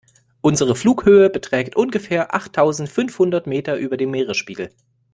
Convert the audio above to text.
Unsere Flughöhe beträgt ungefähr achttausendfünfhundert Meter über dem Meeresspiegel.